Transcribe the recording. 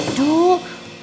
tidak ada mama